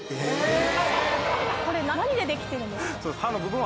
これ何でできてるんですか？